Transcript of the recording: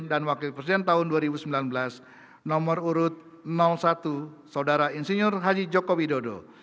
dan wakil presiden tahun dua ribu sembilan belas nomor urut satu saudara insinyur haji jokowi dodo